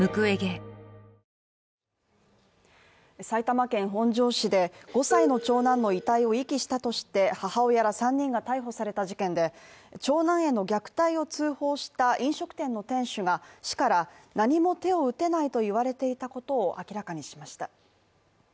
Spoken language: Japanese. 埼玉県本庄市で５歳の長男の遺体を遺棄したとして母親ら３人が逮捕された事件で、長男への虐待を通報した飲食店の店主が市から何も手を打てないと言われていたことを明らかにしました。